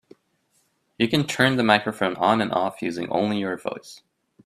You can turn the microphone on and off using only your voice.